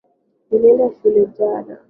Nilienda shule jana.